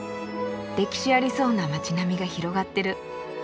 歴史ありそうな街並みが広がってる。